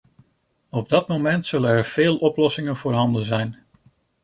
Op dat moment zullen er veel oplossingen voorhanden zijn.